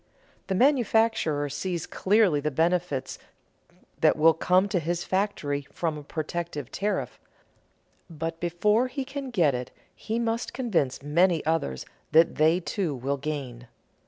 The manufacturer sees clearly the benefits that will come to his factory from a protective tariff, but before he can get it he must convince many others that they too will gain.